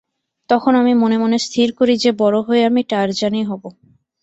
তখন আমি মনে মনে স্থির করি যে বড় হয়ে আমি টারজানই হব।